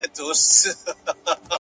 مهرباني د خاموش نفوذ ځواک لري.